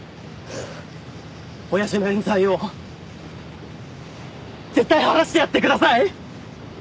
親父の冤罪を絶対晴らしてやってください！